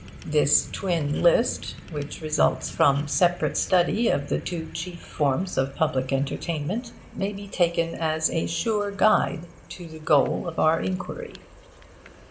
This twin list, which results from separate study of the two chief forms of public entertainment, may be taken as a sure guide to the goal of our inquiry.